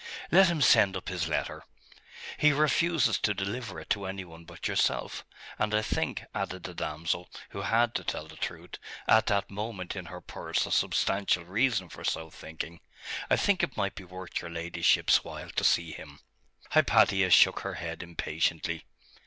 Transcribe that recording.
'Let him send up his letter.' 'He refuses to deliver it to any one but yourself. And I think,' added the damsel, who had, to tell the truth, at that moment in her purse a substantial reason for so thinking 'I think it might be worth your ladyship's while to see him.' Hypatia shook her head impatiently.